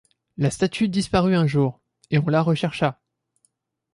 La statue disparut un jour, et on la rechercha.